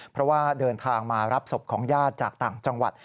เพราะว่าเดินทางมารับศพของญาติจากต่างจังหวัด